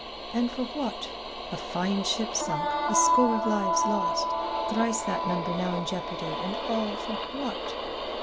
And for what? A fine ship sunk, a score of lives lost, thrice that number now in jeopardy, and all for what?"